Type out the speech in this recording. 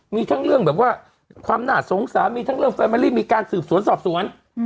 มีทั้งเรื่องแบบว่าความน่าสงสามีทั้งเรื่องแรมอรี่มีการสืบสวนสอบสวน